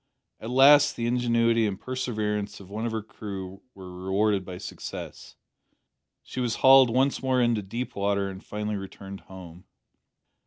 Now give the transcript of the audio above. At last the ingenuity and perseverance of one of her crew were rewarded by success. She was hauled once more into deep water and finally returned home.